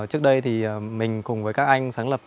trước đây thì mình cùng với các anh sáng lập